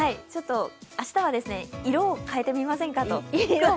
明日は色を変えてみませんかと。